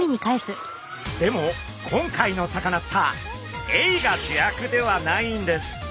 でも今回のサカナスターエイが主役ではないんです。